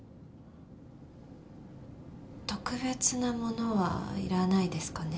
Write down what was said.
特別なものはいらないですかね。